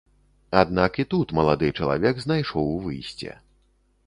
Аднак і тут малады чалавек знайшоў выйсце.